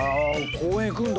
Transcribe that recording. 公園行くんだ！